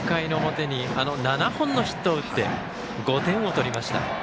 ９回の表に７本のヒットを打って５点を取りました。